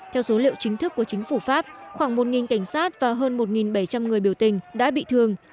theo số liệu chính thức của chính phủ pháp khoảng một cảnh sát và hơn một bảy trăm linh người biểu tình đã bị thương